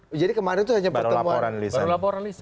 baru laporan lisan